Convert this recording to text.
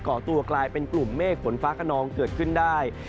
่อตัวกลายเป็นกลุ่มเมฆฝนฟ้าขนองเกิดขึ้นได้